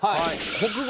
国語。